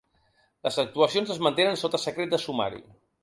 Les actuacions es mantenen sota secret de sumari.